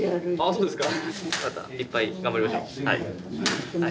そうですか。